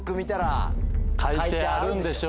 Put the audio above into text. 書いてあるでしょ。